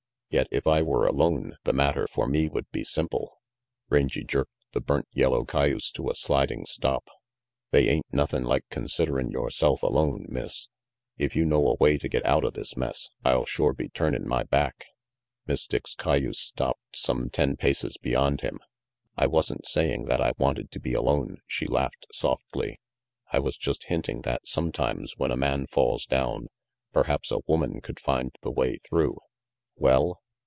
"Yet, if I were alone, the matter for me would be simple " Rangy jerked the burnt yellow cayuse to a sliding stop. "They ain't nothin' like considerin' yoreself alone, Miss. If you know a way to get outa this mess, I'll shore be turnin' my back." Miss Dick's cayuse stopped some ten paces beyond him. "I wasn't saying that I wanted to be alone," she laughed softly. "I was just hinting that sometimes when a man falls down, perhaps a woman could find the way through." "Well?"